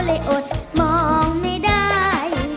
เลยอดมองไม่ได้